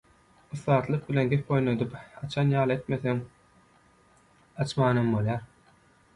Ussatlyk bilen, gep oýnadyp, açan ýaly etseňem açmanam bolýar.